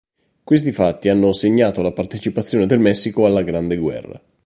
Questi fatti hanno segnato la partecipazione del Messico alla Grande Guerra.